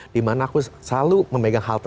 dimana aku selalu memegang halte